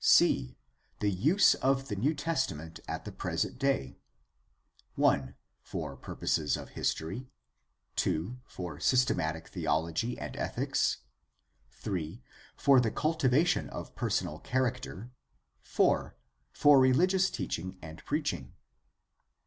III. The Use of the New Testament at the Present Day. 1. For purposes of history. 2. For systematic theology and ethics. 3. For the cultivation of personal character. 4. For religious teaching and preaching.